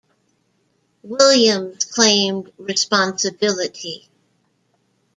Williams claimed responsibility.